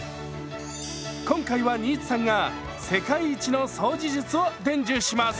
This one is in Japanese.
今回は新津さんが世界一の掃除術を伝授します！